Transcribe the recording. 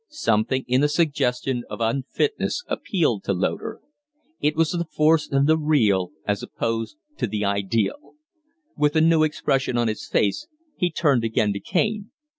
Something in the suggestion of unfitness appealed to Loder. It was the force of the real as opposed to the ideal. With a new expression on his face, he turned again to Kaine.